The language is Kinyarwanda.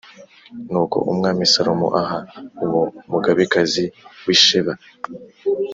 Nuko Umwami Salomo aha uwo mugabekazi w’i Sheba